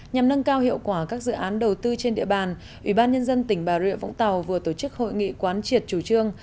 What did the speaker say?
nhằm nâng cao hiệu quả các dự án đầu tư trên địa bàn ủy ban nhân dân tỉnh bà rịa vũng tàu vừa tổ chức hội nghị quán triệt chủ trương